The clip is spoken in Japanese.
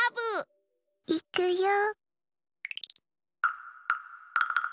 いくよ。